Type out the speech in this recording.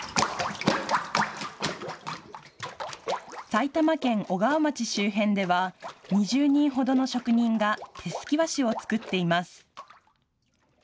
埼玉県小川町周辺では２０人ほどの職人が手すき和紙を作っています。